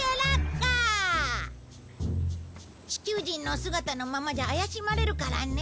地球人の姿のままじゃ怪しまれるからね。